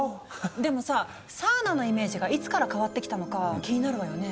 でもさサウナのイメージがいつから変わってきたのかは気になるわよね。